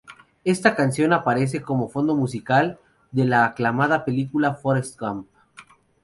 Esta canción aparece como fondo musical de la aclamada película Forrest Gump.